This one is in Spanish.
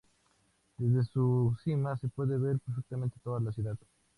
Desde su cima se puede ver perfectamente toda la ciudad.